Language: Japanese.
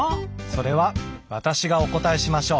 それは私がお答えしましょう。